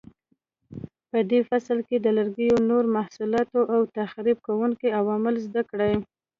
په دې فصل کې د لرګیو نور محصولات او تخریب کوونکي عوامل زده کړئ.